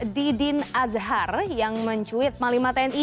didin azhar yang mencuit panglima tni